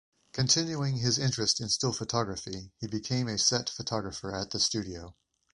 Continuing his interest in still photography he became a set photographer at the studio.